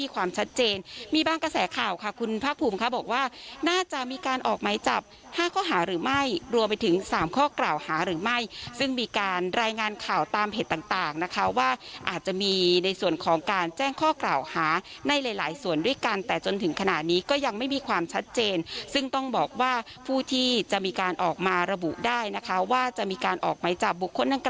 ความชัดเจนมีบางกระแสข่าวค่ะคุณภาคภูมิค่ะบอกว่าน่าจะมีการออกไหมจับ๕ข้อหาหรือไม่รวมไปถึง๓ข้อกล่าวหาหรือไม่ซึ่งมีการรายงานข่าวตามเพจต่างนะคะว่าอาจจะมีในส่วนของการแจ้งข้อกล่าวหาในหลายส่วนด้วยกันแต่จนถึงขณะนี้ก็ยังไม่มีความชัดเจนซึ่งต้องบอกว่าผู้ที่จะมีการออกมาระบุได้นะคะว่าจะมีการออกไหมจับบุคคลดังก